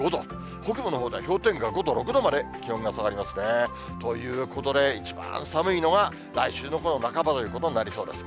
北部のほうでは氷点下５度、６度まで気温が下がりますね。ということで、一番寒いのが来週のこの半ばということになりそうです。